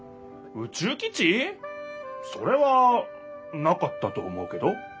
それはなかったと思うけど。